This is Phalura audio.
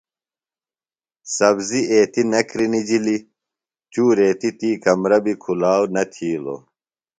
سبزیۡ ایتیۡ نہ کِرنِجِلیۡ۔ چُور ریتیۡ تی کمرہ بیۡ کُھلاؤ نہ تِھیلوۡ۔